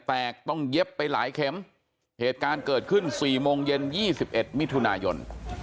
แตกต้องเย็บไปหลายเข็มเหตุการณ์เกิดขึ้น๔โมงเย็น๒๑มิถุนายน